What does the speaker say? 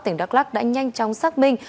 tỉnh đắk lắc đã nhanh chóng xác minh